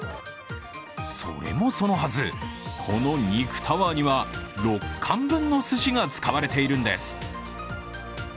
それもそのはず、この肉タワーには６貫分のすしが使われているんです